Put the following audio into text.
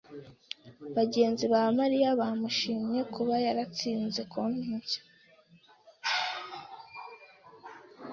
Bagenzi ba Mariya bamushimye kuba yaratsinze konti nshya.